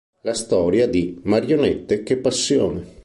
La storia di "Marionette, che passione!